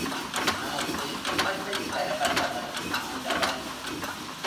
நமக்கு இன்பத்தைத் தரவல்லவன் ஆண்டவன்.